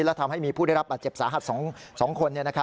และทำให้มีผู้ได้รับบาดเจ็บสาหัส๒คน